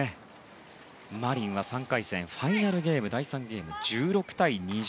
マリンは３回戦ファイナルゲーム、第３ゲームで１６対２０。